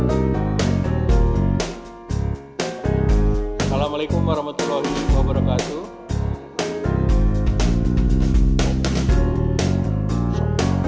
assalamualaikum warahmatullahi wabarakatuh